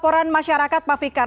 pelaburan masyarakat pak fikar